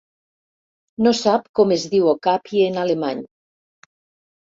No sap com es diu ocapi en alemany.